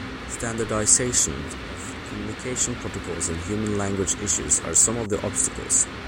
Standardization of communication protocols and human language issues are some of the obstacles.